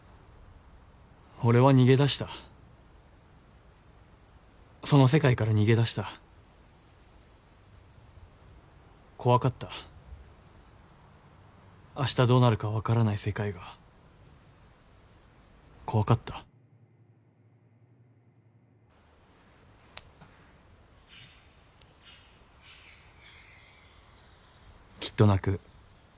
俺は逃げ出したその世界から逃げ出した怖かった明日どうなるか分からない世界が怖かった「きっと泣く」